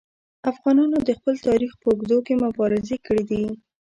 افغانانو د خپل تاریخ په اوږدو کې مبارزې کړي دي.